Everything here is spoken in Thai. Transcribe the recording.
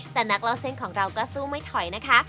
แต่นักเล่าเส้นของเราก็สู้ไม่ถอยนะคะ